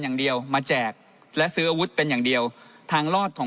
อย่างเดียวมาแจกและซื้ออาวุธเป็นอย่างเดียวทางรอดของ